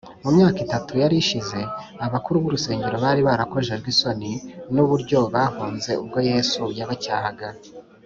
mu myaka itatu yari ishize, abakuru b’urusengero bari barakojejwe isoni n’uburyo bahunze ubwo yesu yabacyahaga